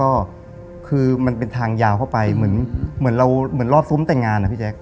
ก็คือมันเป็นทางยาวเข้าไปเหมือนเราเหมือนรอบซุ้มแต่งงานอะพี่แจ๊ค